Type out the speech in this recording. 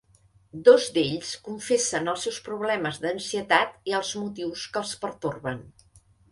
Dos d'ells, confessen els seus problemes d'ansietat i els motius que els pertorben.